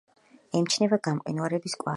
ემჩნევა გამყინვარების კვალი.